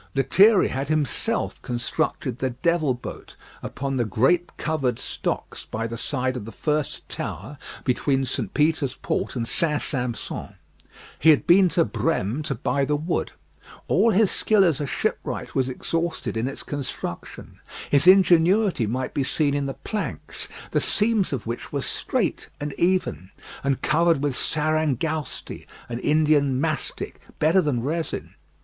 Lethierry had himself constructed the "Devil Boat" upon the great covered stocks by the side of the first tower between St. Peter's Port and St. Sampson. He had been to Brême to buy the wood. All his skill as a shipwright was exhausted in its construction; his ingenuity might be seen in the planks, the seams of which were straight and even, and covered with sarangousti, an Indian mastic, better than resin.